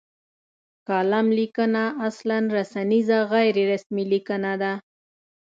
کالم لیکنه اصلا رسنیزه غیر رسمي لیکنه ده.